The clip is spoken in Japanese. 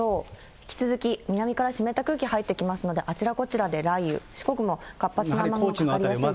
引き続き南から湿った空気が入ってきますので、あちらこちらで雷雨、四国も活発な雨雲がかかりやすいですね。